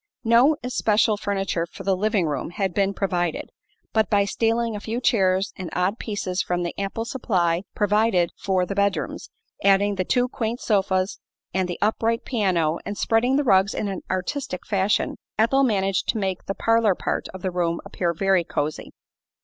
No especial furniture for the living room had been provided, but by stealing a few chairs and odd pieces from the ample supply provided for the bedrooms, adding the two quaint sofas and the upright piano and spreading the rugs in an artistic fashion, Ethel managed to make the "parlor part" of the room appear very cosy.